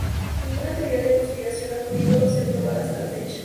Ninguna teoría de conspiración ha podido ser probada hasta la fecha.